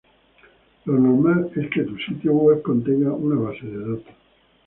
Lo normal es que tu sitio web contenga una base de datos.